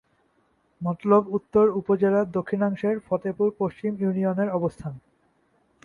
মতলব উত্তর উপজেলার দক্ষিণাংশে ফতেপুর পশ্চিম ইউনিয়নের অবস্থান।